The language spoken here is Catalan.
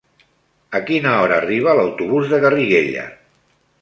A quina hora arriba l'autobús de Garriguella?